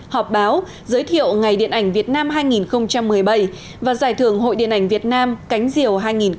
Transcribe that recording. họp báo giới thiệu ngày điện ảnh việt nam hai nghìn một mươi bảy và giải thưởng hội điện ảnh việt nam cánh diều hai nghìn một mươi tám